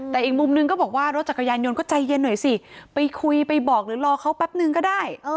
แต่อีกมุมนึงก็บอกว่ารถจักรยานยนต์ก็ใจเย็นหน่อยสิไปคุยไปบอกหรือรอเขาแป๊บนึงก็ได้